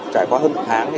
trải qua hơn một tháng